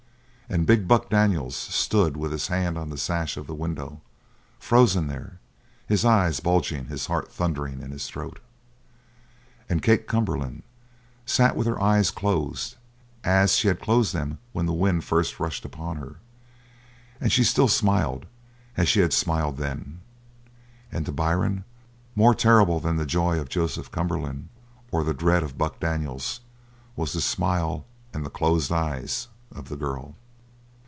And big Buck Daniels stood with his hand on the sash of the window, frozen there, his eyes bulging, his heart thundering in his throat. And Kate Cumberland sat with her eyes closed, as she had closed them when the wind first rushed upon her, and she still smiled as she had smiled then. And to Byrne, more terrible than the joy of Joseph Cumberland or the dread of Buck Daniels was the smile and the closed eyes of the girl.